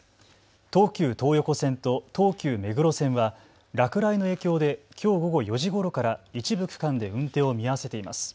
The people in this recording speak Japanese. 東急東横線と東急目黒線は落雷の影響できょう午後４時ごろから一部区間で運転を見合わせています。